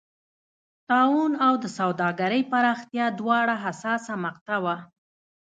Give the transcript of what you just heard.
طاعون او د سوداګرۍ پراختیا دواړه حساسه مقطعه وه.